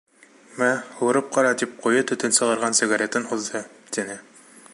Мә, һурып ҡара, — тип ҡуйы төтөн сығарған сигаретын һуҙҙы. — тине.